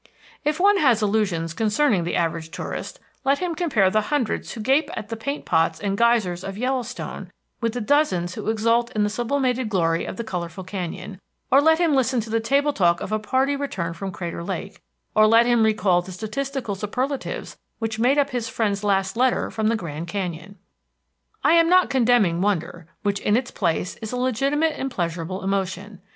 If one has illusions concerning the average tourist, let him compare the hundreds who gape at the paint pots and geysers of Yellowstone with the dozens who exult in the sublimated glory of the colorful canyon. Or let him listen to the table talk of a party returned from Crater Lake. Or let him recall the statistical superlatives which made up his friend's last letter from the Grand Canyon. I am not condemning wonder, which, in its place, is a legitimate and pleasurable emotion.